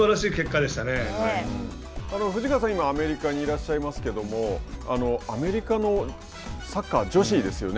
藤川さん、今アメリカにいらっしゃいますけれどもアメリカのサッカー女子ですよね。